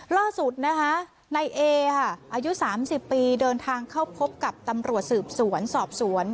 ล่าสุดนะคะนายเอค่ะอายุ๓๐ปีเดินทางเข้าพบกับตำรวจสืบสวนสอบสวน